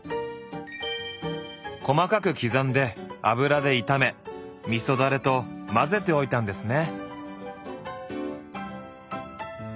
細かく刻んで油で炒めみそダレと混ぜておいたんですね。